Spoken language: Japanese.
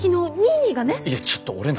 いやちょっと俺の話を。